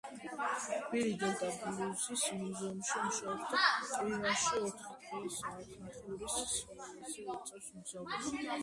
ბილი დელტა ბლუზის მუზეუმში მუშაობს და კვირაში ოთხი დღე საათნახევრის სავალზე უწევს მგზავრობა.